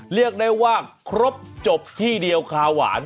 เรียกได้ว่าครบจบที่เดียวคาหวาน